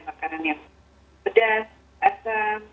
makanan yang pedas asam